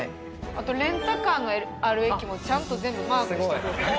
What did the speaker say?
あとレンタカーのある駅もちゃんと全部マークしてくれてる。